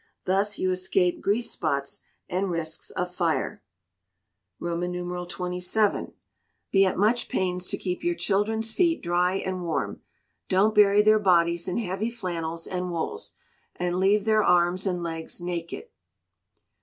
Thus you escape grease spots, and risks of fire. xxvii. Be at much pains to keep your children's feet dry and warm. Don't bury their bodies in heavy flannels and wools, and leave their arms and legs naked.